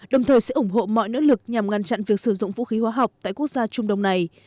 đồng thời sẽ ủng hộ mọi nỗ lực nhằm ngăn chặn việc sử dụng vũ khí hóa học tại quốc gia trung đông này